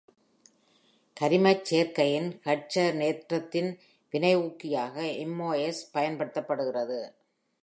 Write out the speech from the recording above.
கரிமச் சேர்க்கையின் ஹைட்ரஜனேற்றத்தின் வினையூக்கியாக MoS பயன்படுத்துகிறது.